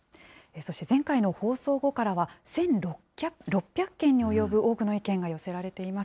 そして、前回の放送後からは、１６００件に及ぶ多くの意見が寄せられています。